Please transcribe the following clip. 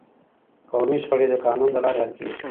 قومي شخړې د قانون له لارې حل کیږي.